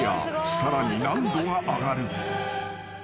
さらに難度が上がる］